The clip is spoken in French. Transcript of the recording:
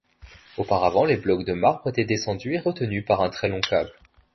Auparavant, les blocs de marbre était descendus et retenus par un très long câble.